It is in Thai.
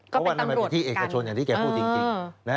เพราะว่ามันเป็นที่เอกชนอย่างที่แกพูดจริง